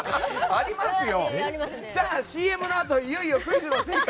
ありますよ！